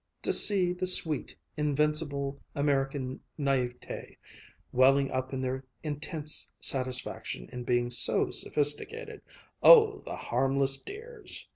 To see the sweet, invincible American naïveté welling up in their intense satisfaction in being so sophisticated, oh, the harmless dears!"